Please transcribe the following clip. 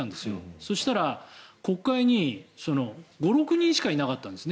そしたら国会に５６人しかいなかったんですね